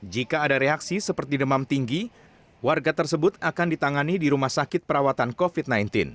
jika ada reaksi seperti demam tinggi warga tersebut akan ditangani di rumah sakit perawatan covid sembilan belas